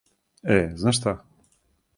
Е, знаш шта?